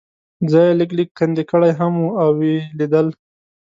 ځای یې لږ لږ کندې کړی هم و او یې لیدل.